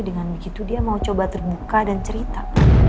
dengan begitu dia mau coba terbuka dan cerita